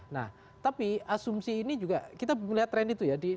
nah tapi asumsi ini juga kita melihat tren itu ya